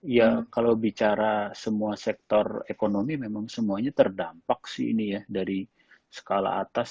ya kalau bicara semua sektor ekonomi memang semuanya terdampak sih ini ya dari skala atas